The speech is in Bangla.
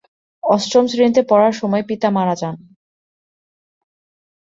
অষ্টম শ্রেণীতে পড়ার সময় পিতা মারা যান।